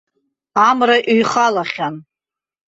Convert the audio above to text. Амра ҩхалахьан.